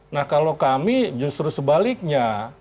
nah kalau kami justru sebaliknya